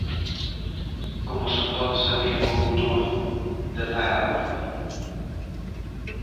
Como se pode saber o autor de dar a orde?